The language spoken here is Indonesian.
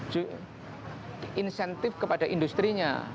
j insentif kepada industri nya